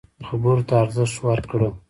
خبرو ته ارزښت ورکړه.